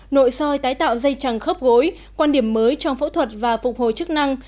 nội soi tái tạo dây chẳng khớp gối quan điểm mới trong phẫu thuật và phục hồi chức năng